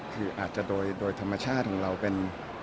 คืออาจจะโดยธรรมชาติของเราเป็น